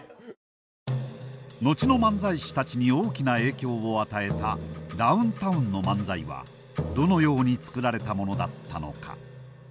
後の漫才師たちに大きな影響を与えたダウンタウンの漫才はどのように作られたものだったのか？